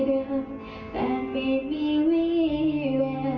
เธอจากไปแล้วและคงไม่ย้อนคืนมา